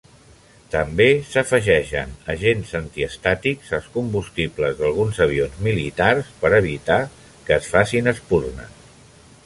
També s'afegeixen agents antiestàtics als combustibles d'alguns avions militars per evitar que es facin espurnes.